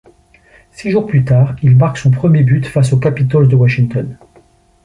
Six jours plus tard, il marque son premier but face aux Capitals de Washington.